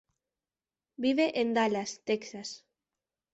Vive en Dallas, Texas.